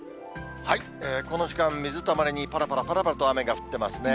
この時間、水たまりにぱらぱらぱらぱらと雨が降ってますね。